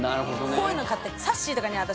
こういうの買ってくさっしーとかに私